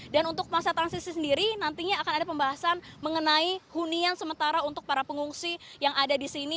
dan untuk masa transisi sendiri nantinya akan ada pembahasan mengenai hunian sementara untuk para pengungsi yang ada di sini